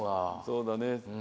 そうだね。